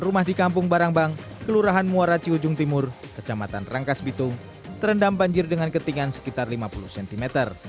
rumah di kampung barangbang kelurahan muaraci ujung timur kecamatan rangkas bitung terendam banjir dengan ketinggian sekitar lima puluh cm